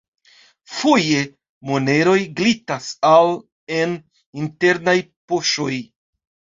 Foje, moneroj glitas al en internaj poŝoj.